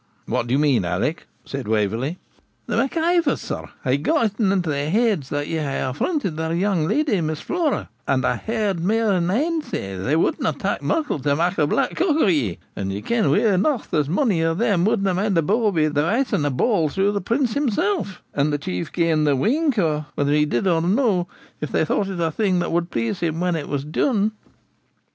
'What do you mean, Alick?' said Waverley. 'The Mac Ivors, sir, hae gotten it into their heads that ye hae affronted their young leddy, Miss Flora; and I hae heard mae than ane say, they wadna tak muckle to mak a black cock o' ye; and ye ken weel eneugh there's mony o' them wadna mind a bawbee the weising a ball through the Prince himsell, an the Chief gae them the wink, or whether he did or no, if they thought it a thing that would please him when it was dune.'